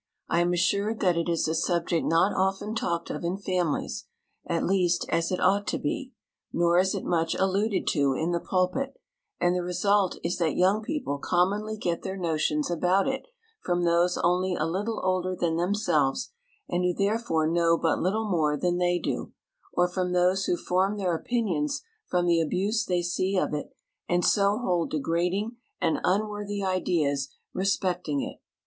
I am assured that it is a subject not often talked of in familiesŌĆöat least, as it ought to beŌĆönor is it much alluded to in the pulpit, and the result is that young people commonly get their notions about it from those only a little older than themselves, and who therefore know but little more than they do, or from those who form their opinions from the abuse they see of it and so hold degrading and unworthy ideas respecting it.